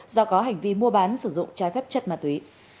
do có hành vi mua bán sử dụng trái phép chất ma túy